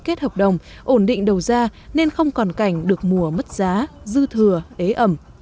kết hợp đồng ổn định đầu ra nên không còn cảnh được mùa mất giá dư thừa ế ẩm